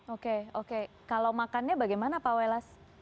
oke oke kalau makannya bagaimana pak welas